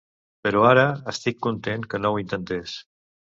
Però ara, estic content que no ho intentés.